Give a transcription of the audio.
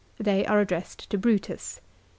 They are ad dressed to Brutus.